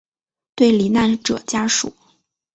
对罹难者家属